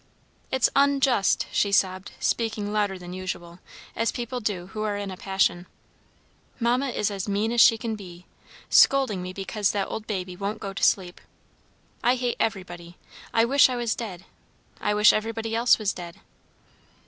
"It's unjust!" she sobbed, speaking louder than usual, as people do who are in a passion. "Mamma is as mean as she can be! Scolding me because that old baby wouldn't go to sleep! I hate everybody! I wish I was dead! I wish everybody else was dead!"